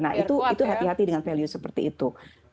nah itu hati hati dengan value seperti itu